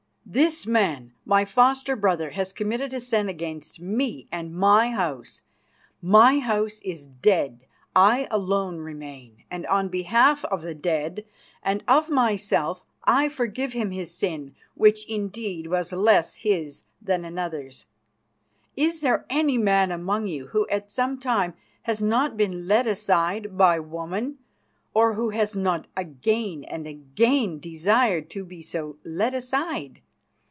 "This man, my foster brother, has committed a sin against me and my House. My House is dead I alone remain; and on behalf of the dead and of myself I forgive him his sin, which, indeed, was less his than another's. Is there any man among you who at some time has not been led aside by woman, or who has not again and again desired to be so led aside?